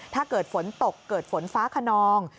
ถ้าเกิดฝนตกเกิดฝนฟ้าขนอง